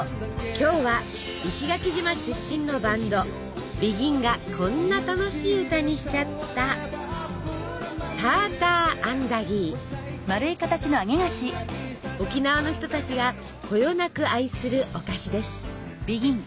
今日は石垣島出身のバンド「ＢＥＧＩＮ」がこんな楽しい歌にしちゃった沖縄の人たちがこよなく愛するお菓子です。